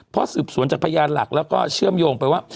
เพราะสืบสวนจากพยานหลักแล้วก็เชื่อมโยงไปว่า